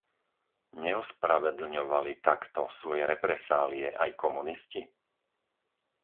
Neospravedlňovali takto svoje represálie aj komunisti?